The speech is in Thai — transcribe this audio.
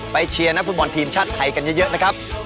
เชียร์นักฟุตบอลทีมชาติไทยกันเยอะนะครับ